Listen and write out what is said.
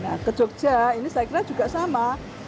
nah ke jogja ini saya kira juga sama